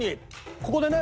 ここでね